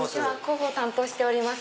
広報担当しております